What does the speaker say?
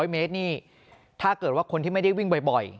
๐เมตรนี่ถ้าเกิดว่าคนที่ไม่ได้วิ่งบ่อย